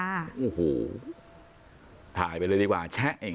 โอ้โหถ่ายไปเลยดีกว่าแชะเอง